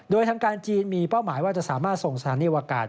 โดยทางการจีนมีเป้าหมายว่าจะสามารถส่งสถานีวกาศ